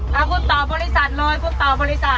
ถ้าคุณตอบบริษัทเลยคุณต่อบริษัท